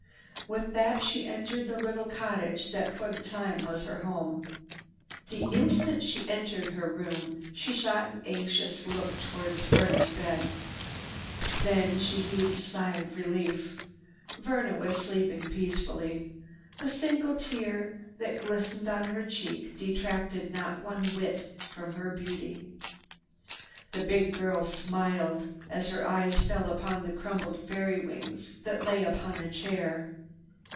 With that she entered the little cottage that for the time was her home. The instant she entered her room she shot an anxious look toward Verna's bed. Then she heaved a sigh of relief. Verna was sleeping peacefully. A single tear that glistened on her cheek detracted not one whit from her beauty. The big girl smiled as her eyes fell upon the crumpled fairy's wings that lay upon a chair.